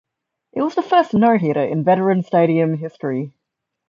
It was the first no-hitter in Veterans Stadium history.